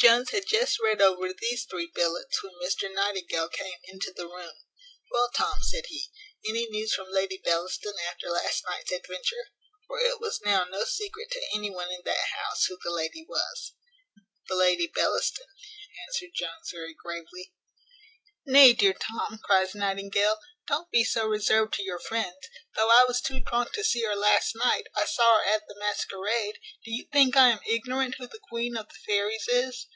Jones had just read over these three billets when Mr Nightingale came into the room. "Well, Tom," said he, "any news from Lady Bellaston, after last night's adventure?" (for it was now no secret to any one in that house who the lady was). "The Lady Bellaston?" answered Jones very gravely. "Nay, dear Tom," cries Nightingale, "don't be so reserved to your friends. Though I was too drunk to see her last night, I saw her at the masquerade. Do you think I am ignorant who the queen of the fairies is?"